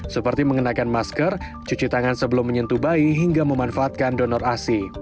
seperti mengenakan masker cuci tangan sebelum menyentuh bayi hingga memanfaatkan donor asi